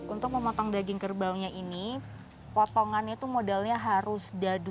untuk memotong daging kerbaunya ini potongannya itu modalnya harus dadu